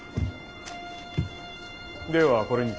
ではこれにて。